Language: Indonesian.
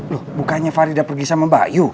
loh bukannya farida pergi sama mbak yuk